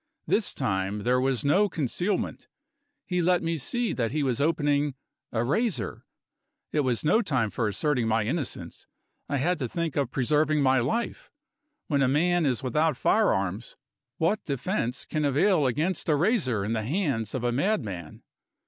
This time, there was no concealment; he let me see that he was opening a razor. It was no time for asserting my innocence; I had to think of preserving my life. When a man is without firearms, what defense can avail against a razor in the hands of a madman?